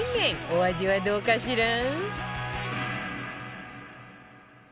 お味はどうかしら？